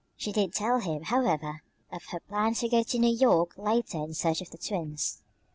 She did tell him, however, of her plans to go to New York later in search of the twins.